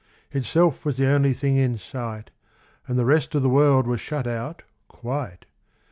Itself was the only thing in sight. And the rest of the world was shut out quite.